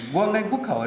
quân an quốc hội